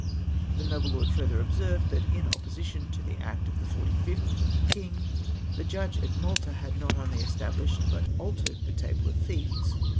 The nohle lord further observed, that in oppositiion to the act of the 45th of the King, the Judge at I\Ialta had not only estal)lished hut altered the table of fees.